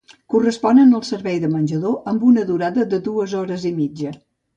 Corresponen al servei de menjador amb una durada de dues hores i mitja.